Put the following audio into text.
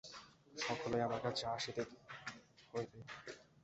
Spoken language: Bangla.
সকলকেই আমার কাছে আসিতে হইবে।